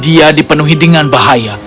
dia dipenuhi dengan bahaya